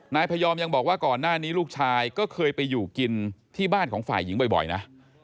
พยอมยังบอกว่าก่อนหน้านี้ลูกชายก็เคยไปอยู่กินที่บ้านของฝ่ายหญิงบ่อยนะ